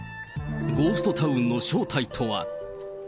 ゴーストタウンの正体とは。